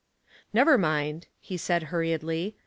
"Never mind," he said, hurriedly.